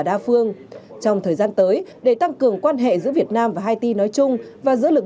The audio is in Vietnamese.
đa phương trong thời gian tới để tăng cường quan hệ giữa việt nam và haiti nói chung và giữa lực